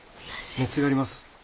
熱があります。